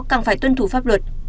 càng phải tuân thủ pháp luật